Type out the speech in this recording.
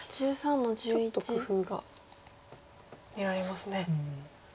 ちょっと工夫が見られますね。